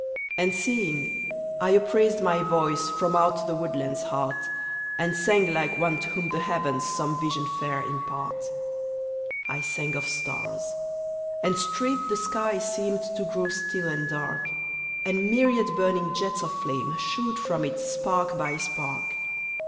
And seeing, I upraised my voice From out the woodland's heart, And sang like one to whom the heavens Some vision fair impart. I sang of stars — and straight the sky Seemed to grow still and dark, And 'myriad burning jets of flame Shoot from it spark by spark.